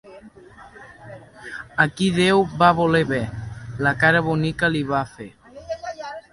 A qui Déu va voler bé, la cara bonica li va fer.